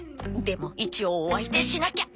でも一応お相手しなきゃ！